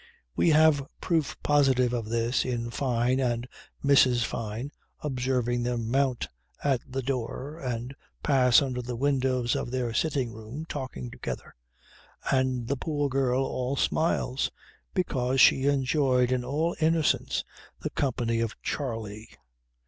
We have proof positive of this in Fyne and Mrs. Fyne observing them mount at the door and pass under the windows of their sitting room, talking together, and the poor girl all smiles; because she enjoyed in all innocence the company of Charley.